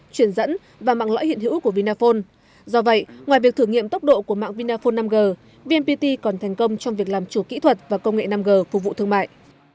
thành công trong việc làm chủ kỹ thuật và công nghệ năm g của vụ thương mại